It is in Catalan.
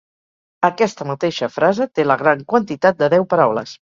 Aquesta mateixa frase té la gran quantitat de deu paraules.